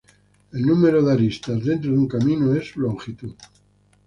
El número de aristas dentro de un camino es su longitud.